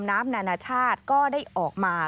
สวัสดีค่ะสวัสดีค่ะ